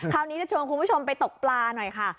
คราวนี้จะชวนคุณผู้ชมไปตกปลาหน่อยค่ะ